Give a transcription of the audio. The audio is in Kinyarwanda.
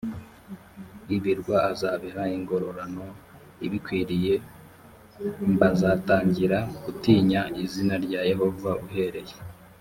ibirwa azabiha ingororano ibikwiriye m bazatangira gutinya izina rya yehovan uhereye